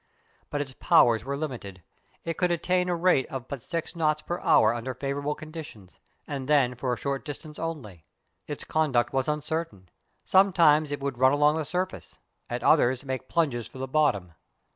But its powers were limited. It could attain a rate of but six knots an hour under favourable conditions, and then for a short distance only. Its conduct was uncertain. Sometimes it would run along the surface, at others make plunges for the bottom.